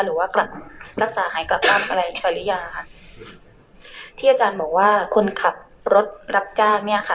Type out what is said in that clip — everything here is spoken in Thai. หรือว่ากลับรักษาหายกลับบ้านอะไรปริยาค่ะที่อาจารย์บอกว่าคนขับรถรับจ้างเนี้ยค่ะ